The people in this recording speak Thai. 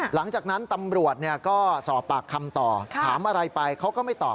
หลังจากนั้นตำรวจก็สอบปากคำต่อถามอะไรไปเขาก็ไม่ตอบ